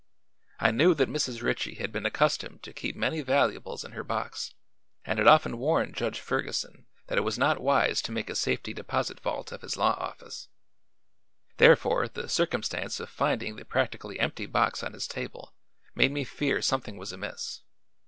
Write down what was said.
I knew that Mrs. Ritchie had been accustomed to keep many valuables in her box and had often warned Judge Ferguson that it was not wise to make a safety deposit vault of his law office; therefore the circumstance of finding the practically empty box on his table made me fear something was amiss.